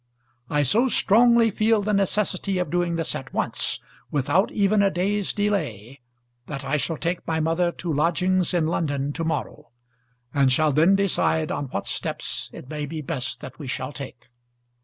I so strongly feel the necessity of doing this at once, without even a day's delay, that I shall take my mother to lodgings in London to morrow, and shall then decide on what steps it may be best that we shall take.